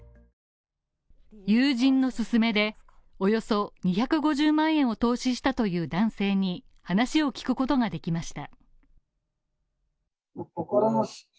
友人のすすめでおよそ２５０万円を投資したという男性に話を聞くことができました。